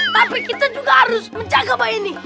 tapi kita juga harus menjaga bahwa ini